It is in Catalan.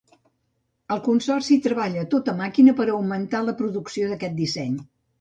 El consorci treballa a tota màquina per augmentar la producció d’aquest disseny.